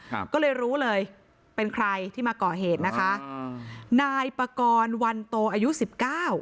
ครับก็เลยรู้เลยเป็นใครที่มาก่อเหตุนะคะอ่านายปากรวันโตอายุสิบเก้า